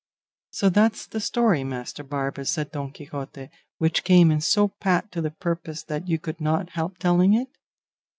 "So that's the story, master barber," said Don Quixote, "which came in so pat to the purpose that you could not help telling it?